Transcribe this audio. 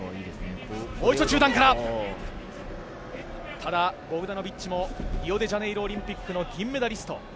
ただ、ボクダノビッチもリオデジャネイロオリンピックの銀メダリスト。